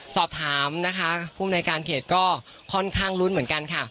สอบถามนะคะภูมิในการเขตก็ค่อนข้างลุ้นเหมือนกันค่ะ